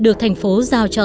được thành phố giao cho